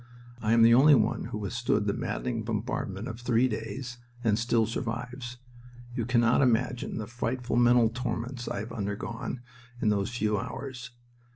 I am the only one who withstood the maddening bombardment of three days and still survives. You cannot imagine the frightful mental torments I have undergone in those few hours.